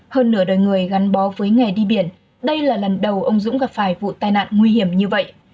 hơn nửa đời người gắn bó với nghề đi biển đây là lần đầu ông dũng gặp phải vụ tai nạn nguy hiểm như vậy